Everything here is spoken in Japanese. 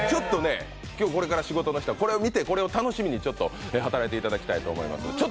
今日これから仕事の人は、これを見てこれを楽しみに働いていただきたいと思います。